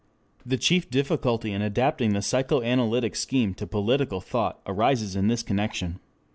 The chief difficulty in adapting the psychoanalytic scheme to political thought arises in this connection.